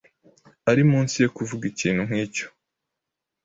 Ari munsi ye kuvuga ikintu nkicyo.